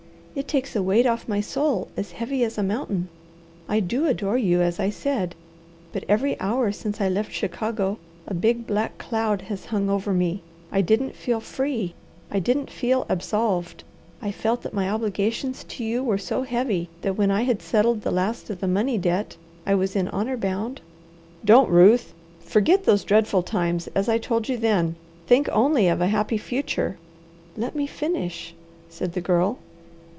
It takes a weight off my soul as heavy as a mountain. I do adore you, as I said. But every hour since I left Chicago a big, black cloud has hung over me. I didn't feel free. I didn't feel absolved. I felt that my obligations to you were so heavy that when I had settled the last of the money debt I was in honour bound " "Don't, Ruth! Forget those dreadful times, as I told you then! Think only of a happy future!" "Let me finish," said the Girl.